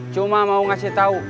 cuma mau ngasih tahu